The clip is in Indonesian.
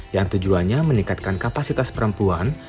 yang tujuannya meningkatkan kapasitas perempuan